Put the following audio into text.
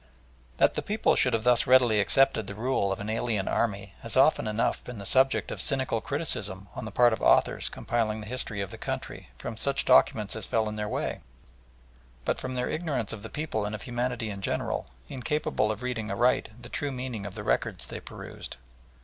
That the people should have thus readily accepted the rule of an alien army has often enough been the subject of cynical criticism on the part of authors compiling the history of the country from such documents as fell in their way, but from their ignorance of the people and of humanity in general, incapable of reading aright the true meaning of the records they perused.